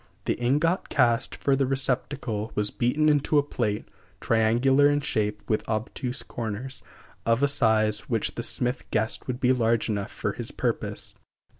The ingot cast for the receptacle was beaten into a plate (triangular in shape, with obtuse corners), of a size which the smith guessed would be large enough for his purpose.